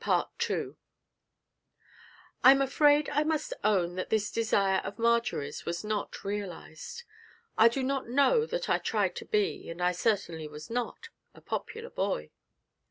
I'm afraid I must own that this desire of Marjory's was not realised. I do not know that I tried to be and I certainly was not a popular boy.